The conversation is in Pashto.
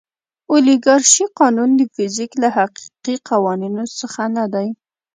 اولیګارشي قانون د فزیک له حقیقي قوانینو څخه نه دی.